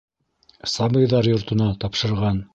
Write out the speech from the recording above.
Сабыйҙар йортона тапшырған.